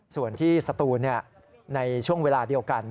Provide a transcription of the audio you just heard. ส่วนที่สตูนในช่วงเวลาเดียวกัน